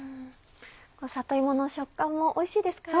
里芋の食感もおいしいですからね。